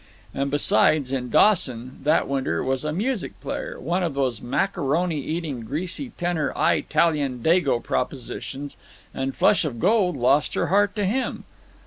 And besides, in Dawson, that winter, was a music player—one of those macaroni eating, greasy tenor Eye talian dago propositions—and Flush of Gold lost her heart to him.